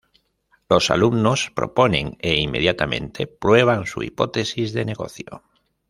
Los alumnos proponen e inmediatamente prueban sus hipótesis de negocio.